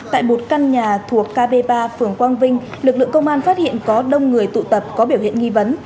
tại một căn nhà thuộc kb ba phường quang vinh lực lượng công an phát hiện có đông người tụ tập có biểu hiện nghi vấn